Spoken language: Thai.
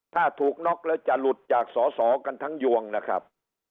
ถ้าถูกน็อกแล้วจะหลุดจากสอสอกันทั้งยวงนะครับ